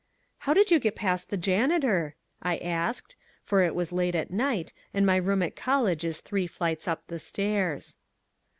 "How did you get past the janitor?" I asked. For it was late at night, and my room at college is three flights up the stairs.